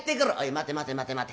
「待て待て待て待て。